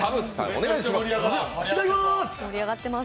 いただきまーす！